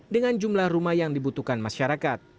dengan jumlah rumah yang dibutuhkan masyarakat